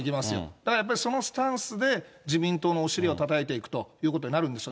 だからやっぱりそのスタンスで、自民党のお尻をたたいていくということになるんですよ。